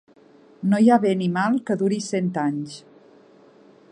No hi ha bé ni mal que duri cent anys.